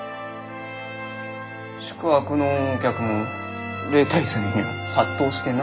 宿泊のお客も例大祭の日には殺到してな。